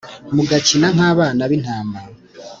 Mugakina nk abana b intama